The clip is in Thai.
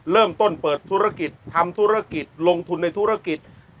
เริ่มต้นเปิดธุรกิจทำธุรกิจลงทุนในธุรกิจ